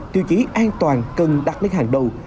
điều chỉ an toàn cần đặt lên hàng đầu